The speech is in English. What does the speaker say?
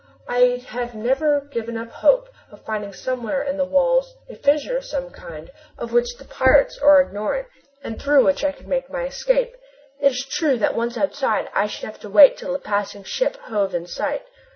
I have never given up hope of finding somewhere in the walls a fissure of some kind of which the pirates are ignorant and through which I could make my escape. It is true that once outside I should have to wait till a passing ship hove in sight.